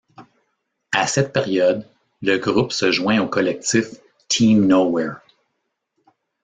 À cette période, le groupe se joint au collectif Team Nowhere.